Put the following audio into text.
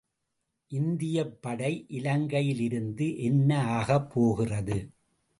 இந்தியப்படை இலங்கையில் இருந்து என்ன ஆகப் போகிறது?